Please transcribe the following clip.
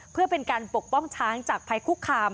เพื่อเป็นการปกป้องช้างจากภัยคุกคาม